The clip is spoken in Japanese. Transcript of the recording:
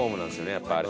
やっぱりあれ」